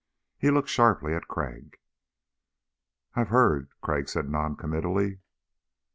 He looked sharply at Crag. "I've heard," Crag said noncommittally.